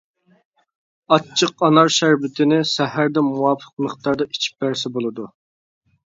ئاچچىق ئانار شەربىتىنى سەھەردە مۇۋاپىق مىقداردا ئىچىپ بەرسە بولىدۇ.